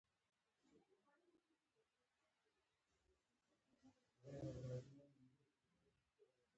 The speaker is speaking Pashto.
رابیندرانات ټاګور په ادبیاتو کې نوبل وګاټه.